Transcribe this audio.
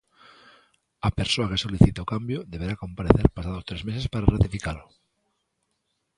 A persoa que solicite o cambio deberá comparecer pasados tres meses para ratificalo.